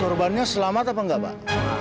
korbannya selamat apa enggak pak